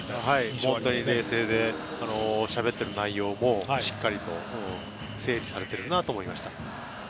思ったよりも冷静でしゃべっている内容もしっかりと整理されているなと思いました。